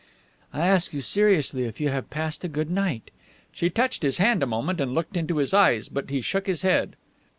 "I ask you seriously if you have passed a good night?" She touched his hand a moment and looked into his eyes, but he shook his head.